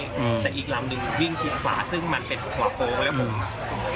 แต่อีกลำนึงวิ่งชิดขวาซึ่งมันเป็นหัวโค้ง